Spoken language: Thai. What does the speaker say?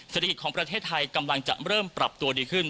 เศรษฐกิจของประเทศไทยกำลังจะเริ่มปรับตัวดีขึ้น